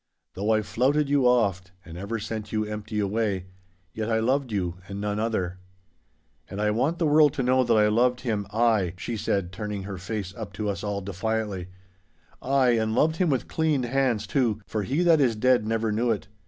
Though I flouted you oft, and ever sent you empty away, yet I loved you and none other. And I want the world to know that I loved him—ay,' she said, turning her face up to us all defiantly, 'ay, and loved him with clean hands, too, for he that is dead never knew it.